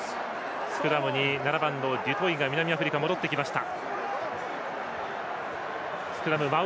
スクラムに７番のデュトイが南アフリカ、戻ってきました。